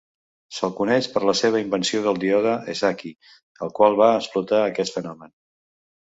Se'l coneix per la seva invenció del díode Esaki, el qual va explotar aquest fenomen.